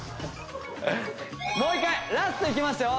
もう１回ラストいきますよ